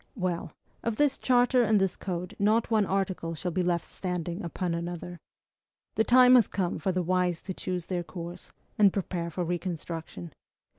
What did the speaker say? Well! of this charter and this code not one article shall be left standing upon another! The time has come for the wise to choose their course, and prepare for reconstruction.